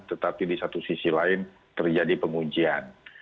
tetapi di satu sisi lain terjadi penguncian